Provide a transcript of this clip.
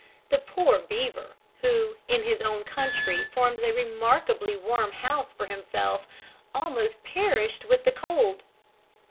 The poor beaver, who, in his own country, forms a remarkably warm house for himself, almost perished with the cold.